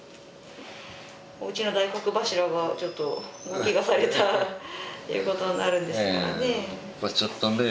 おうちの大黒柱がちょっと大ケガされたっていうことになるんですからねぇ。